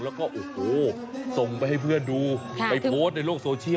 แล้วก็โอ้โหส่งไปให้เพื่อนดูไปโพสต์ในโลกโซเชียล